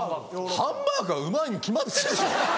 ハンバーグはうまいに決まってるでしょ！